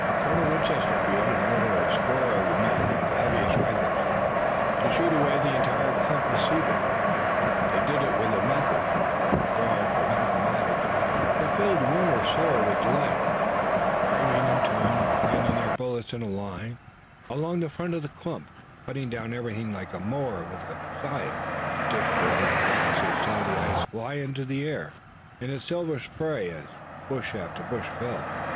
But Colonel Winchester appeared and ordered a score of the men, with the heaviest rifles, to shoot away the entire clump of cedars. They did it with a method and a regard for mathematics that filled Warner's soul with delight, firing in turn and planting their bullets in a line along the front of the clump, cutting down everything like a mower with a scythe. Dick with the glasses saw the ice fly into the air in a silver spray as bush after bush fell.